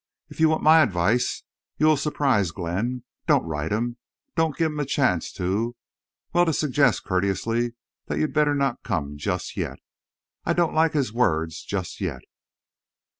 "If you want my advice you will surprise Glenn. Don't write him—don't give him a chance to—well to suggest courteously that you'd better not come just yet. I don't like his words 'just yet.